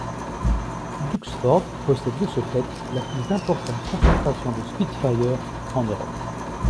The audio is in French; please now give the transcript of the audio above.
Duxford possède de ce fait la plus importante concentration de Spitfire en Europe.